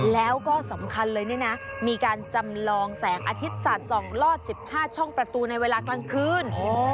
แล้วก็สำคัญเลยนี่นะมีการจำลองแสงอาทิตย์สัตว์ส่องลอด๑๕ช่องประตูในเวลากลางคืน